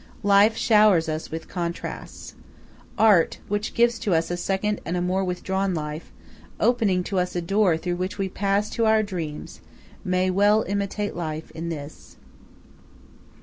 Life showers us with contrasts. Art, which gives to us a second and a more withdrawn life, opening to us a door through which we pass to our dreams, may well imitate life in this.